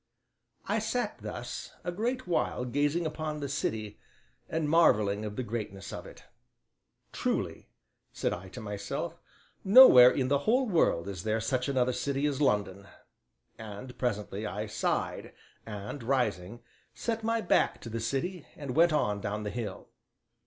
I sat thus a great while gazing upon the city and marvelling at the greatness of it. "Truly," said I to myself, "nowhere in the whole world is there such another city as London!" And presently I sighed and, rising, set my back to the city and went on down the hill.